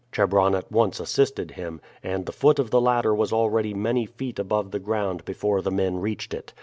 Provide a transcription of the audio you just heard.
Chebron at once assisted him, and the foot of the ladder was already many feet above the ground before the men reached it.